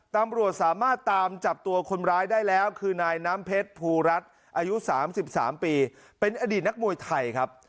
ตำรวจสามารถตามจับตัวคนร้ายได้แล้วคือนายน้ำเพชรภูรัฐอายุ๓๓ปีเป็นอดีตนักมวยไทยครับ